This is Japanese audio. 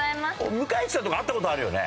向井地さんとか会った事あるよね？